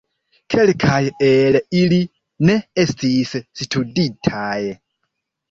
Kelkaj el ili ne estis studitaj.